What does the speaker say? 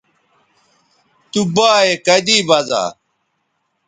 تو بایئے کدی بزا